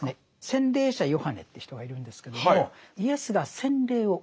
洗礼者ヨハネという人がいるんですけどもイエスが洗礼を受けるんですね。